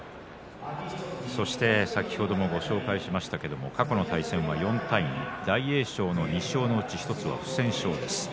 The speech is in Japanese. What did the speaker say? そして先ほどもご紹介しましたが過去の対戦は４対２大栄翔の２勝そのうち１つは不戦勝ですね。